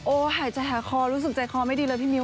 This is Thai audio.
หายใจหาคอรู้สึกใจคอไม่ดีเลยพี่มิ้